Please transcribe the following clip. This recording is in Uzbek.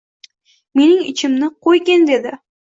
Mening ichimni qo‘ygin dedi.